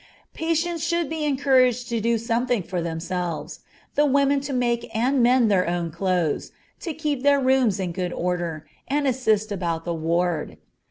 Patients should be encouraged to do something for themselves, the women to make and mend their own clothes, to keep their rooms in good order, and assist about the ward.